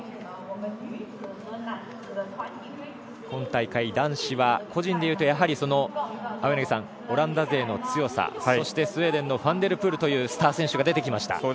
今大会、男子は個人でいうとやはり青柳さん、オランダ勢の強さスウェーデンのファン・デル・プールという強い選手が出てきました。